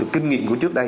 kinh nghiệm của trước đây